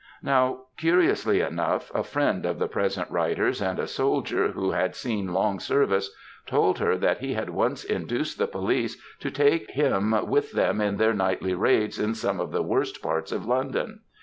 Now, curiously enough, a firiend of the present writer^ and a soldier who had seen long service, told her that he had once induced the police to take him with them on their nightly raids in some of the worst parts of London.